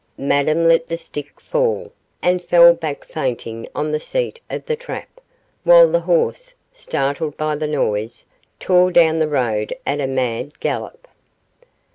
Madame let the stick fall, and fell back fainting on the seat of the trap, while the horse, startled by the noise, tore down the road at a mad gallop.